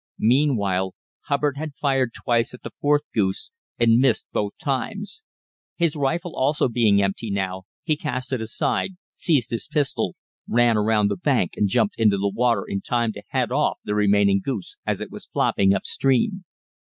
Meanwhile Hubbard had fired twice at the fourth goose and missed both times. His rifle also being empty now, he cast it aside, seized his pistol, ran around the bank and jumped into the water in time to head off the remaining goose as it was flopping upstream.